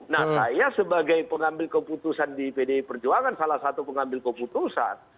nah saya sebagai pengambil keputusan di pdi perjuangan salah satu pengambil keputusan